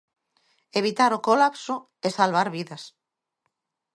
Evitar o colapso e salvar vidas.